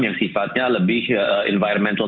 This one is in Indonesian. yang sifatnya lebih environmental